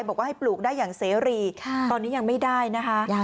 บอกว่าให้ปลูกได้อย่างเสรีตอนนี้ยังไม่ได้นะคะ